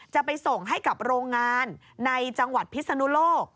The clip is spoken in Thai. จะไปส่งให้กับโรงงานในจังหวัดพิศนุโลก